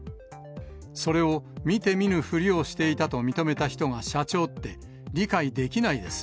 それを見て見ぬふりをしていたと認めた人が社長って、理解できないです。